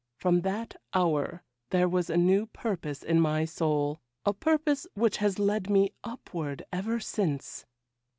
From that hour there was a new purpose in my soul—a purpose which has led me upward ever since.